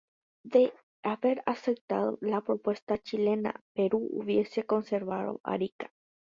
De haber aceptado la propuesta chilena, Perú hubiese conservado Arica.